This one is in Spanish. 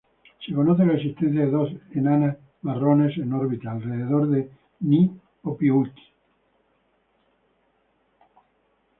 Se conoce la existencia de dos enanas marrones en órbita alrededor de Ni Ophiuchi.